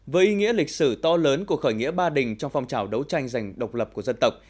với ý nghĩa lịch sử to lớn của khởi nghĩa ba đình trong phong trào đấu tranh giành độc lập của dân tộc